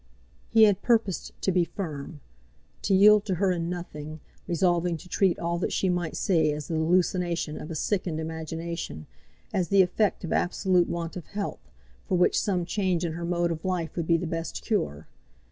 He had purposed to be firm, to yield to her in nothing, resolving to treat all that she might say as the hallucination of a sickened imagination, as the effect of absolute want of health, for which some change in her mode of life would be the best cure.